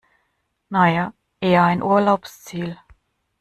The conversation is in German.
Na ja, eher ein Urlaubsziel.